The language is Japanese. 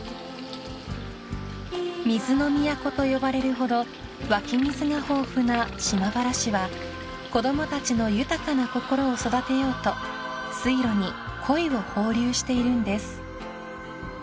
［水の都と呼ばれるほど湧き水が豊富な島原市は子供たちの豊かな心を育てようと水路にコイを放流しているんです］